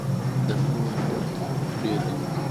د درملو واردات ډیر دي